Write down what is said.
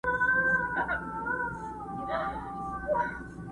پل مي دي پیدا کی له رویبار سره مي نه لګي،